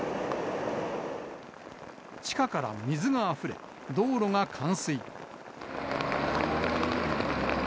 地下から水があふれ、道路が冠水。